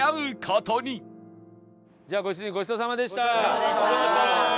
じゃあご主人ごちそうさまでした。